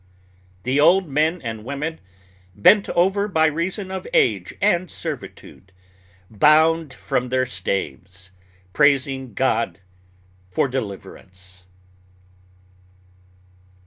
The old men and women, bent over by reason of age and servitude, bound from their staves, praising God for deliverance.